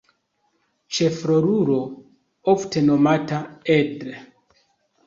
Ĉefrolulo, ofte nomata "Ed".